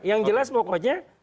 yang jelas pokoknya